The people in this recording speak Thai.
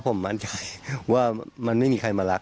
ผมมั่นใจว่ามันไม่มีใครมารัก